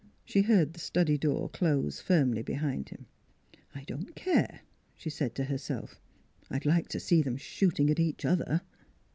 She heard the study door close firmly behind him. " I don't care," she said to herself; " I'd like to see them shooting at each other."